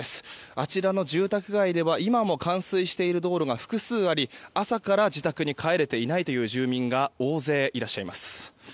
あちらの住宅街では今も冠水している道路が複数あり朝から自宅に帰れていない住民が大勢いらっしゃいます。